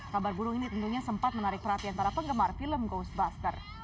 kabar burung ini tentunya sempat menarik perhatian para penggemar film goesbuster